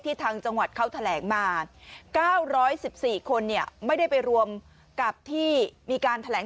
ทางจังหวัดเขาแถลงมา๙๑๔คนไม่ได้ไปรวมกับที่มีการแถลง